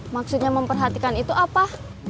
maksudnya memperhatikan itu apa